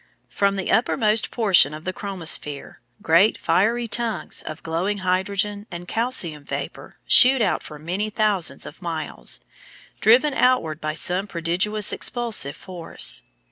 From the uppermost portion of the chromosphere great fiery tongues of glowing hydrogen and calcium vapour shoot out for many thousands of miles, driven outward by some prodigious expulsive force.